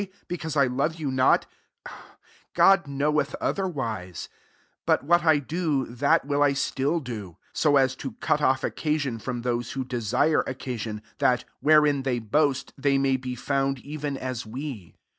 be cause I love you not ? CUxJ knoweth otherwise, 12 But wfatt I do, that will 1 stHl do ; so ts to cut off , occasion from those who desire occasion ; that, wherein they boast, they may be found even as we.